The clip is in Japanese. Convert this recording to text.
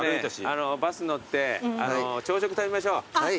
バス乗って朝食食べましょう。